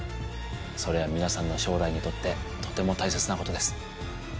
それは皆さんの将来にとってとても大切なことです